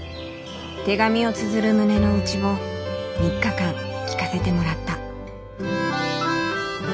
手紙をつづる胸の内を３日間聞かせてもらった。